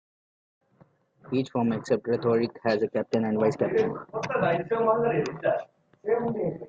Each form except Rhetoric has a captain and vice-captain.